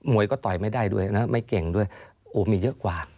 วยก็ต่อยไม่ได้ด้วยนะไม่เก่งด้วยโอ้มีเยอะกว่า